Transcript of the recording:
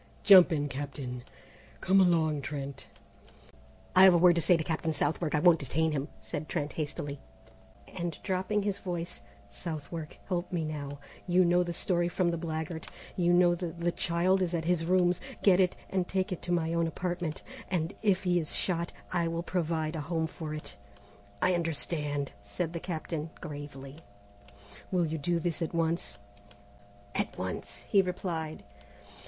Jump in, Captain! Come along, Trent!" "I have a word to say to Captain Southwark, I won't detain him," said Trent hastily, and dropping his voice, "Southwark, help me now. You know the story from the blackguard. You know the the child is at his rooms. Get it, and take it to my own apartment, and if he is shot, I will provide a home for it." "I understand," said the Captain gravely. "Will you do this at once?" "At once," he replied.